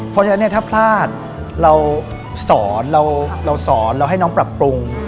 เพราะฉะนั้นถ้าพลาดเราสอนเราให้น้องปรับปรุง